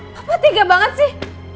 papa tinggal banget sih